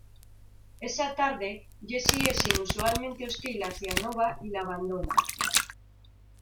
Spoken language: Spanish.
Esa tarde, Jesse es inusualmente hostil hacia Nova y la abandona.